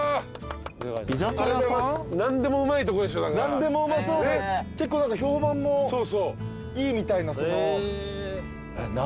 何でもうまそうで結構評判もいいみたいな。